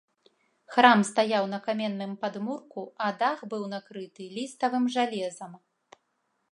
Храм стаяў на каменным падмурку, а дах быў накрыты ліставым жалезам.